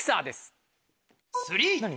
何？